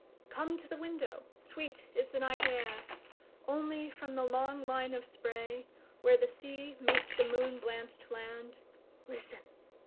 Come to the window, sweet is the night air! Only, from the long line of sprayWhere the sea meets the moon blanch'd sand, Listen!